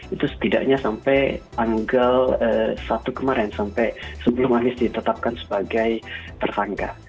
itu setidaknya sampai tanggal satu kemarin sampai sebelum anies ditetapkan sebagai tersangka